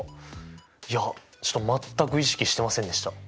いやちょっと全く意識してませんでした。